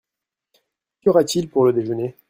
Qu’y aura-t-il pour le déjeuner ?